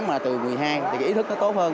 mà từ một mươi hai thì cái ý thức nó tốt hơn